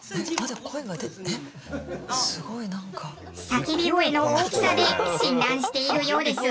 叫び声の大きさで診断しているようです。